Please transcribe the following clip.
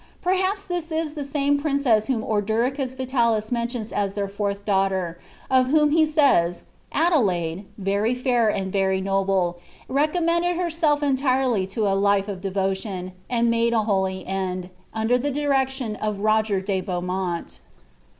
Perhaps this is the same princes* whom Ordericus Vilalis mentions as iheir fourth daughter, of whom ha Sdya. "Adelaide, very &ir and very noble, recommended herself enltrely lo a life of devotion, and made a holy end, under the direciiou of Rapt de Benumont."